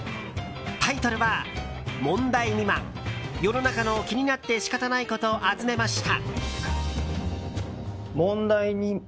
タイトルは「問題未満世の中の気になって仕方ないこと集めました」。